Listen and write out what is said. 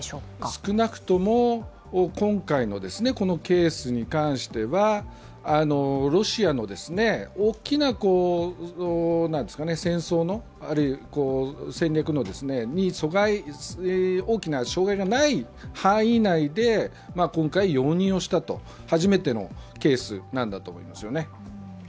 少なくとも今回のこのケースに関しては、ロシアの戦略に大きな障害がない範囲内で今回容認をした初めてのケースなんだと思います。